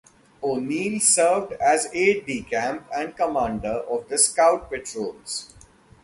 O'Neill served as aide-decamp and commander of the scout patrols.